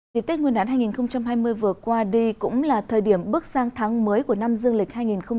thì tết nguyên đán hai nghìn hai mươi vừa qua đi cũng là thời điểm bước sang tháng mới của năm dương lịch hai nghìn hai mươi